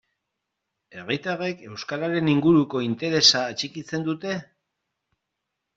Herritarrek euskararen inguruko interesa atxikitzen dute?